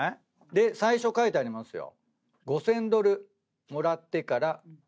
で最初書いてありますよ。